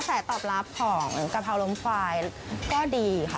ค่ะกาแฟตอบรับของกะเพราลมควายก็ดี